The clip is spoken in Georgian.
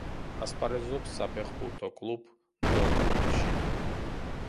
ასპარეზობს საფეხბურთო კლუბ „დორტმუნდში“.